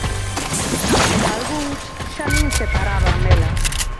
Algúns xa nin se paraban nela.